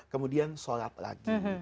kemudian sholat lagi